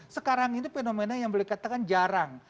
sekarang ini fenomena yang boleh katakan jarang